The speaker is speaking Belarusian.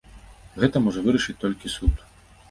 Гэта можа вырашыць толькі суд!